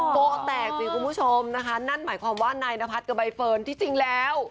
โต๊ะแตกสิคุณผู้ชมนะคะนั่นหมายความว่านายนพัฒน์กับใบเฟิร์นที่จริงแล้ว